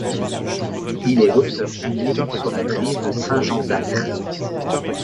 Il est l'auteur d'un livre sur la prise de Saint-Jean d'Acre.